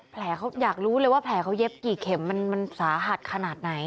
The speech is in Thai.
แผลเขาอยากรู้เลยว่าแผลเขาเย็บกี่เข็มมันสาหัสขนาดไหน